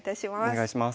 お願いします。